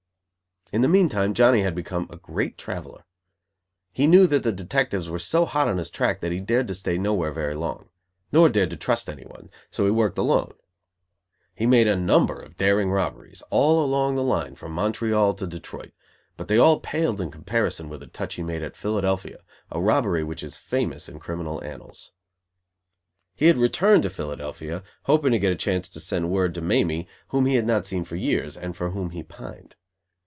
In the meantime Johnny had become a great traveller. He knew that the detectives were so hot on his track that he dared to stay nowhere very long; nor dared to trust anyone: so he worked alone. He made a number of daring robberies, all along the line from Montreal to Detroit, but they all paled in comparison with a touch he made at Philadelphia, a robbery which is famous in criminal annals. He had returned to Philadelphia, hoping to get a chance to send word to Mamie, whom he had not seen for years, and for whom he pined.